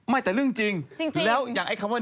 แต่เรื่องจริงแล้วอย่างไอ้คำว่า